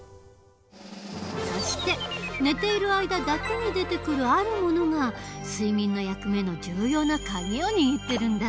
そして寝ている間だけに出てくるあるものが睡眠の役目の重要な鍵を握ってるんだ。